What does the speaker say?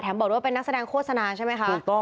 แถมบอกด้วยว่าเป็นนักแสดงโฆษณาใช่ไหมคะ